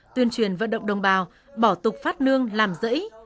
tuyên truyền vận động đồng bào bỏ tục phát nương làm rẫy